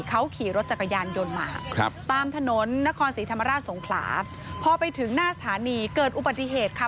เขาขี่รถจักรยานยนต์มาครับตามถนนนครศรีธรรมราชสงขลาพอไปถึงหน้าสถานีเกิดอุบัติเหตุค่ะ